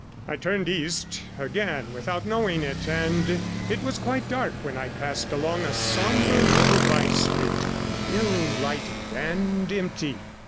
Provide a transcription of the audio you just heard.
I turned east again without knowing it, and it was quite dark when I passed along a sombre little by street, ill lighted and empty.